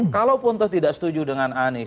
kalau pontos tidak setuju dengan anies